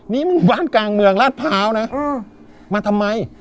นี่มึงบ้านกลางเมืองลาดพร้าวนะมาทำไม